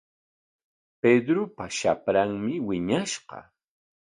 Pedropa shapranmi wiñashqa.